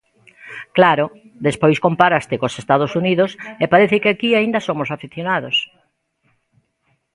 Claro, despois compáraste cos Estados Unidos e parece que aquí aínda somos afeccionados.